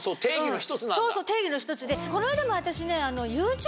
そうそう定義の１つでこの間も私ね。